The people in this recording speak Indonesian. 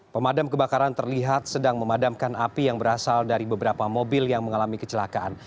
pemadam kebakaran terlihat sedang memadamkan api yang berasal dari beberapa mobil yang mengalami kecelakaan